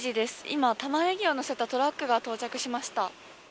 今たまねぎを載せたトラックが到着しました。